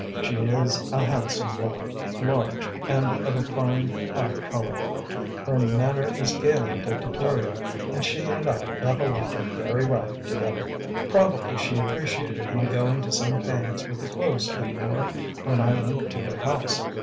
She is a handsome woman, large, and of a fine, high colour; her manner is gaily dictatorial, and she and I got along very well together. Probably she appreciated my going to some pains with the clothes I wore when I went to their house.